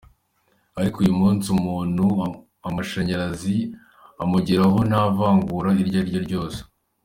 Ariko uyu munsi umuntu amashanyarazi amugeraho nta vangura iryo ariryo ryose.